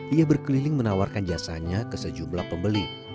ia berkeliling menawarkan jasanya ke sejumlah pembeli